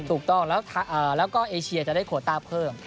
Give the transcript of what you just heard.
ถูกต้องแล้วก็เอเชียจะได้โคต้าเพิ่ม